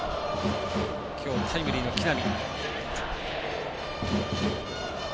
今日、タイムリーの木浪。